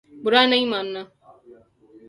برا نہیں ماننا